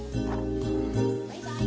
バイバイ。